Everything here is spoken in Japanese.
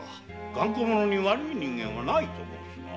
頑固者に悪い人間はおらぬと申す。